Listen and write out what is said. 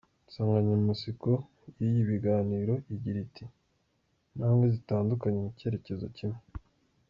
Insanganyamatsiko y’ibi biganiro igira iti ‘intambwe zitandukanye, mu cyerekezo kimwe’.